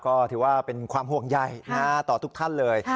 ก็ถือว่าเป็นความห่วงใหญ่ต่อทุกท่านเลย